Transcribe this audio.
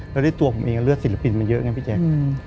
แล้วที่ตัวผมเองเลือดศิลปินมาเยอะนะพี่แจก